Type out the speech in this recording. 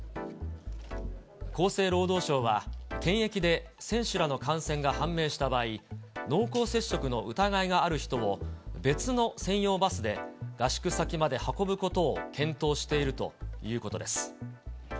厚生労働省は、検疫で選手らの感染が判明した場合、濃厚接触の疑いがある人を別の専用バスで合宿先まで運ぶことを検討しているということです。